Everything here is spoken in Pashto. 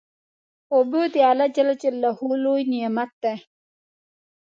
اوبه د الله لوی نعمت دی.